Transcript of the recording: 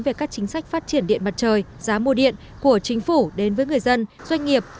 về các chính sách phát triển điện mặt trời giá mua điện của chính phủ đến với người dân doanh nghiệp